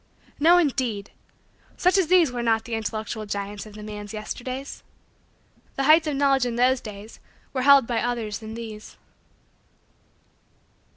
No indeed! Such as these were not the intellectual giants of the man's Yesterdays. The heights of knowledge in those days were held by others than these.